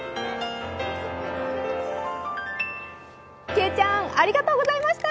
けいちゃんありがとうございました。